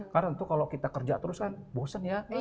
karena tentu kalau kita kerja terus kan bosan ya